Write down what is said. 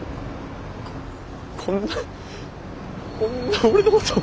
こんなこんな俺のこと。